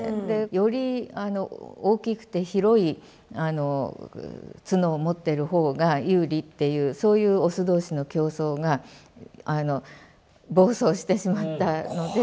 より大きくて広い角を持ってる方が有利っていうそういうオス同士の競争が暴走してしまったので。